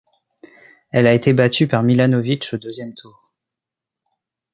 Elle a été battue par Milanović au deuxième tour.